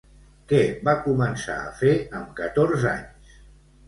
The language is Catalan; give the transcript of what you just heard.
Què va començar a fer amb catorze anys?